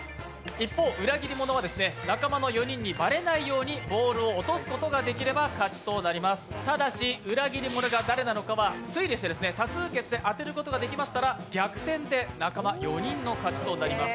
一方、裏切り者は仲間の４人にバレないようにボールを落とすことができれば勝ちとなりますただし裏切り者が誰なのかは推理して、多数決で当てることができましたら、逆転で仲間４人の勝ちとなります。